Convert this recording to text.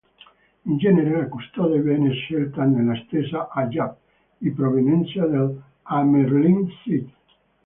In genere la Custode viene scelta nella stessa Ajah di provenienza dell'Amyrlin Seat.